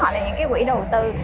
họ là những quỹ đầu tư